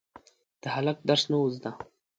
د هلک درس نه و زده.